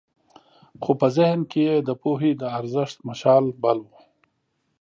خو په ذهن کې یې د پوهې د ارزښت مشال بل و.